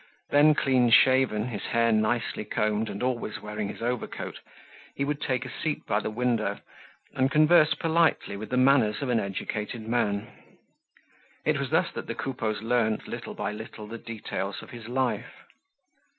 Then clean shaven, his hair nicely combed and always wearing his overcoat, he would take a seat by the window and converse politely with the manners of an educated man. It was thus that the Coupeaus learnt little by little the details of his life.